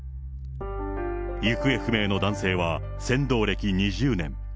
行方不明の男性は船頭歴２０年。